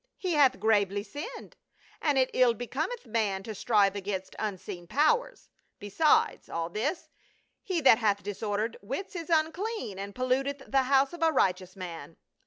" He hath gravely sinned, and it ill becometh man to strive against unseen powers ; besides all this, he that hath disordered wits is unclean and polluteth the house of a righteous man.